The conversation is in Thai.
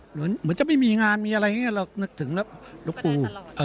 เหมือนจะไม่มีงานมีอะไรอย่างนี้เรานึกถึงแล้วหลวงปู่